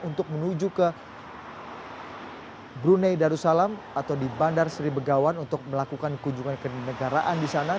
untuk menuju ke brunei darussalam atau di bandar sri begawan untuk melakukan kunjungan ke negaraan di sana